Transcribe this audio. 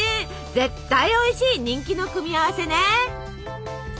絶対おいしい人気の組み合わせね。